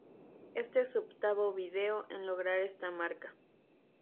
Este es su octavo video en lograr esta marca.